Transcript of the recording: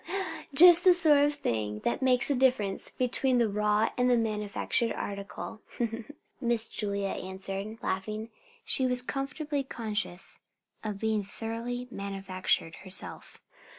Just the sort of thing that makes the difference between the raw and the manufactured article," Miss Julia answered, laughing. She was comfortably conscious of being thoroughly "manufactured" herself.